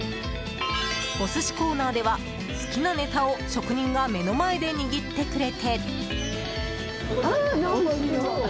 お寿司コーナーでは好きなネタを職人が目の前で握ってくれて。